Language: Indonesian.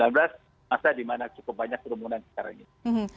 masa di mana cukup banyak kerumunan sekarang ini